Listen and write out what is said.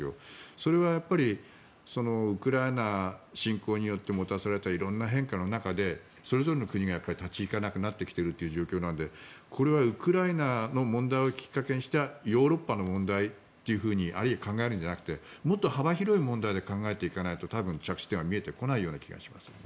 それはウクライナ侵攻によってもたらされた色んな変化の中でそれぞれの国が立ち行かなくなっている状況なのでこれはウクライナの問題をきっかけにしたヨーロッパの問題というふうに考えるんじゃなくてもっと幅広い問題で考えていかないと多分、着地点は見えてこない気がします。